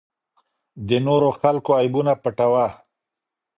د نورو خلکو عیبونه پټوه.